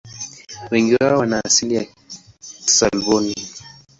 Wengi wao wana asili ya Kislavoni.